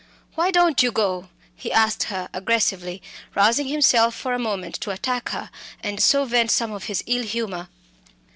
"Why don't you go?" he asked her aggressively, rousing himself for a moment to attack her, and so vent some of his ill humour.